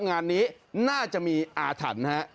งานนี้น่าจะมีอาถรรพ์ฮะ